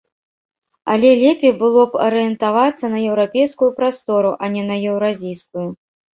Але лепей было б арыентавацца на еўрапейскую прастору, а не на еўразійскую.